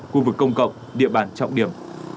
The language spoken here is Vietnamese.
khu vực công cộng địa bàn trọng điểm